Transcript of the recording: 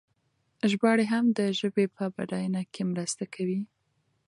ژباړې هم د ژبې په بډاینه کې مرسته کوي.